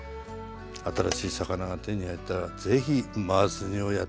新しい魚が手に入ったらぜひマース煮をやってみて下さい。